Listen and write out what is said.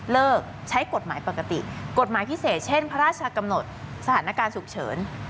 ใช้กฎหมายปกติกฎหมายพิเศษเช่นพระราชกำหนดสถานการณ์ฉุกเฉิน